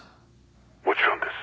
☎もちろんです。